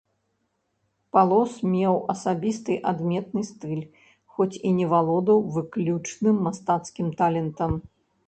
Палос меў асабісты адметны стыль, хоць і не валодаў выключным мастацкім талентам.